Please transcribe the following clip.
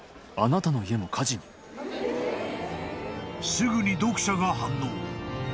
☎［すぐに読者が反応］